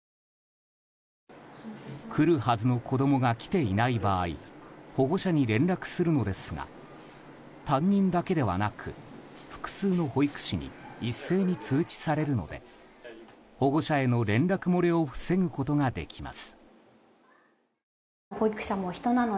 来るはずの子供が来ていない場合保護者に連絡するのですが担任だけではなく複数の保育士に一斉に通知されるので保護者への連絡漏れを防ぐことができます。